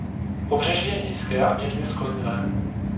Pobřeží je nízké a mírně skloněné.